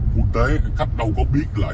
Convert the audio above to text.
quốc tế khách đâu có biết là